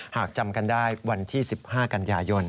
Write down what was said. หากจำกันได้วันที่๑๕กันยายน